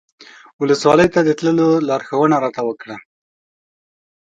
ولسوالۍ ته د تللو لارښوونه راته وکړه.